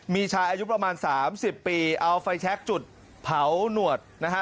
มีชายอายุประมาณ๓๐ปีเอาไฟแชคจุดเผาหนวดนะฮะ